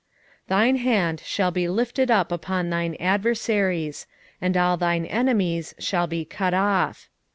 5:9 Thine hand shall be lifted up upon thine adversaries, and all thine enemies shall be cut off.